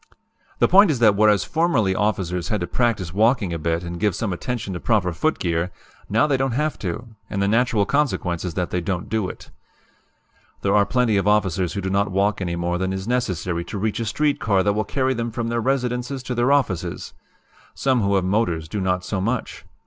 "The point is that whereas formerly officers had to practice walking a bit and give some attention to proper footgear, now they don't have to, and the natural consequence is that they don't do it. "There are plenty of officers who do not walk any more than is necessary to reach a street car that will carry them from their residences to their offices. Some who have motors do not do so much.